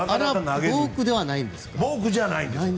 あれはボークじゃないんですか？